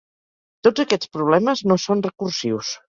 Tots aquests problemes no són recursius.